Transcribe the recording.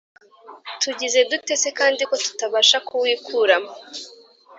tugize dute se kandi, ko tutabasha kuwikuramo ?